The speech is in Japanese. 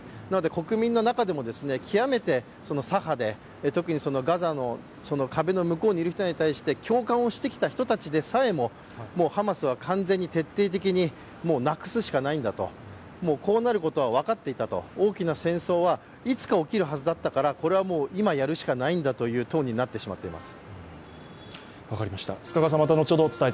国民の中でも、極めて左派で特にガザの壁の向こうにいる人たちに対して共感をしてきた人たちでさえも、もうハマスは完全に徹底的になくすしかないんだと、こうなることは分かっていたと、大きな戦争はいつか起きるはずだったからこれはもう今やるしかないんだというトーンになってしまっています。